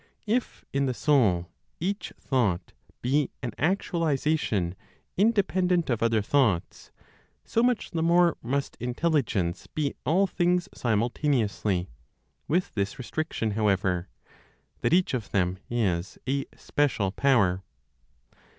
If in the soul each thought be an actualization independent of other thoughts, so much the more must Intelligence be all things simultaneously, with this restriction, however, that each of them is a special power.